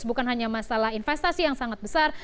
bukan hanya masalah investasi yang sangat besar